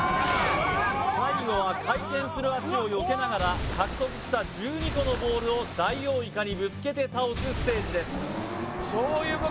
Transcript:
最後は回転する足をよけながら獲得した１２個のボールをダイオウイカにぶつけて倒すステージです